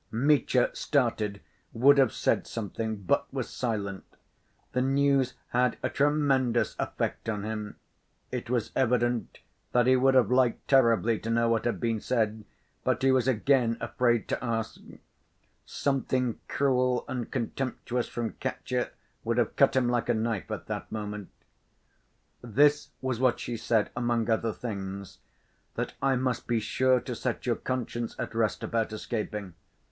Mitya started, would have said something, but was silent. The news had a tremendous effect on him. It was evident that he would have liked terribly to know what had been said, but he was again afraid to ask. Something cruel and contemptuous from Katya would have cut him like a knife at that moment. "This was what she said among other things; that I must be sure to set your conscience at rest about escaping.